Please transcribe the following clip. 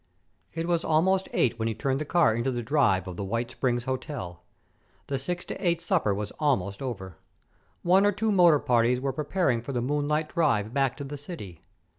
It was almost eight when he turned the car into the drive of the White Springs Hotel. The six to eight supper was almost over. One or two motor parties were preparing for the moonlight drive back to the city.